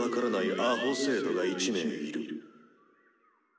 アホ生徒が１名いる」。